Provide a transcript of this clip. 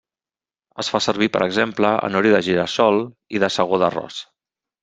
Es fa servir per exemple, en oli de gira-sol i de segó d’arròs.